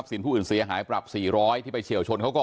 ที่สุดอ่ะไม่ใช่ผมที่แหลกกว่า